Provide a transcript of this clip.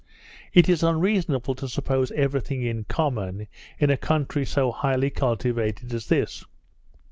It is unreasonable to suppose every thing in common in a country so highly cultivated as this.